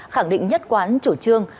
khẳng định nhất quán chủ trương